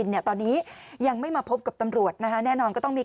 เสื้อในที่เขาพ่อป่วยมะเร็งพอดี